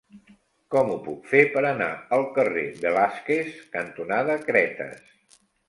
Com ho puc fer per anar al carrer Velázquez cantonada Cretes?